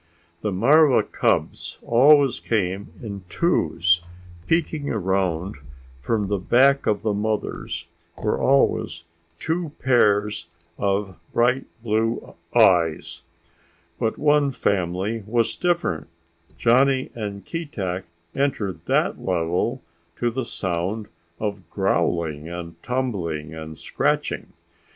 The marva cubs always came in twos: peeking around from the back of the mothers were always two pairs of bright blue eyes. But one family was different. Johnny and Keetack entered that level to the sound of growling and tumbling and scratching.